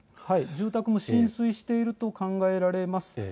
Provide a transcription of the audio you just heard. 住宅も浸水していると考えられます。